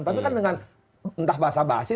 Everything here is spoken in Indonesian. tapi kan dengan entah bahasa bahasa